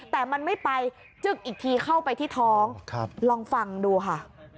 แต่มันไม่ไปจึกอีกทีเข้าไปที่ท้องลองฟังดูค่ะ